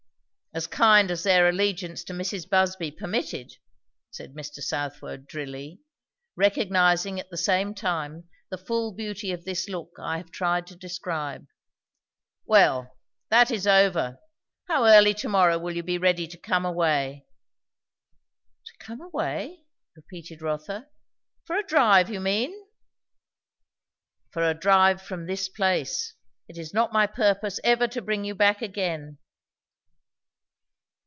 "As kind as their allegiance to Mrs. Busby permitted," said Mr. Southwode drily, recognizing at the same time the full beauty of this look I have tried to describe. "Well! That is over. How early to morrow will you be ready to come away?" "To come away?" repeated Rotha. "For a drive, you mean?" "For a drive from this place. It is not my purpose ever to bring you back again."